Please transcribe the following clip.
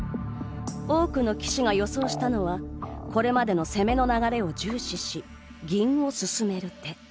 多くの棋士が予想したのはこれまでの攻めの流れを重視し銀を進める手。